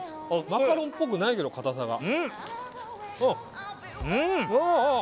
マカロンっぽくないけど硬さが。